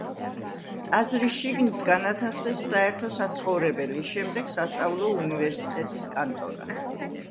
ტაძრის შიგნით განათავსეს საერთო საცხოვრებელი, შემვეგ სასწავლო უნივერსიტეტის კანტორა.